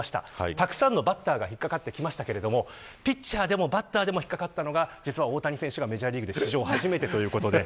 たくさんのバッターも引っ掛かってきましたがピッチャーでもバッターでも引っ掛かったのは大谷選手がメジャーリーグで初めて。